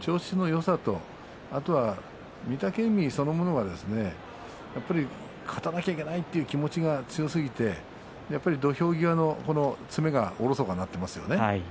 調子のよさと御嶽海そのものが勝たなきゃいけないという気持ちが強すぎて土俵際の詰めがおろそかになっていますよね。